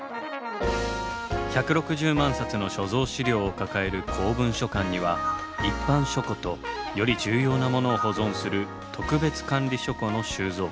１６０万冊の所蔵資料を抱える公文書館には一般書庫とより重要なものを保存する特別管理書庫の収蔵庫が。